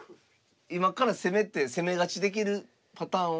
今から攻めて攻め勝ちできるパターンは？